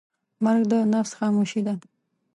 مرګ د نفس خاموشي ده.